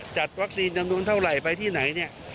จัดวัคซีนจำนวนเท่าไหร่ไปที่ไหนเนี่ย